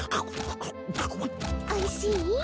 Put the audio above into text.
おいしい？